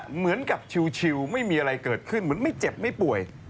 เหมือนกับชิวไม่มีอะไรเกิดขึ้นเหมือนไม่เจ็บไม่ป่วย